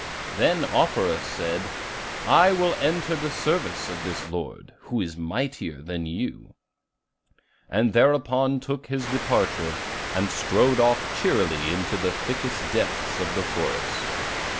Then Offerus said, 'I will enter the service of this lord, who is mightier than you,' and thereupon took his departure, and strode off cheerily into the thickest depths of the forest.